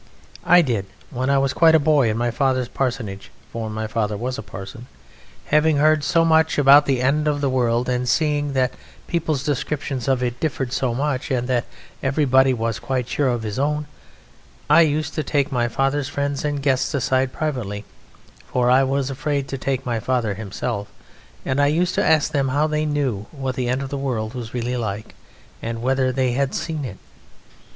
I did.... When I was quite a boy in my father's parsonage (for my father was a parson), having heard so much about the End of the World and seeing that people's descriptions of it differed so much and that everybody was quite sure of his own, I used to take my father's friends and guests aside privately, for I was afraid to take my father himself, and I used to ask them how they knew what the End of the World was really like, and whether they had seen it.